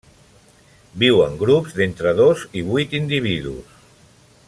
Viu en grups d'entre dos i vuit individus.